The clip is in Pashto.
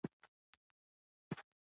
کله چې د ټوکر اوبدلو صنعت پرمختګ وکړ